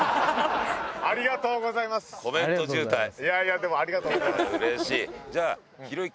いやいやでもありがとうございます。